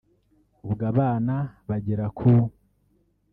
ubwo abana bagera ku…